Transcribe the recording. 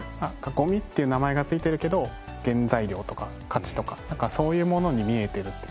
ゴミって名前がついてるけど原材料とか価値とかそういうものに見えてるっていう。